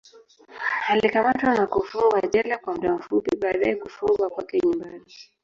Alikamatwa na kufungwa jela kwa muda fupi, baadaye kufungwa kwake nyumbani.